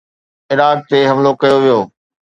Iraq تي حملو ڪيو ويو.